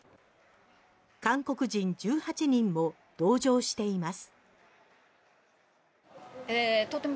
韓国人１８人も同乗しています。